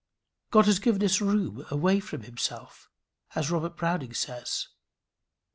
God has given us room away from himself as Robert Browning says: ..."